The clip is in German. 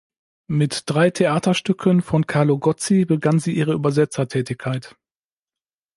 Mit drei Theaterstücken von Carlo Gozzi begann sie ihre Übersetzertätigkeit.